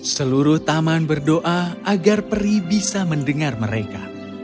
seluruh taman berdoa agar peri bisa mendengar mereka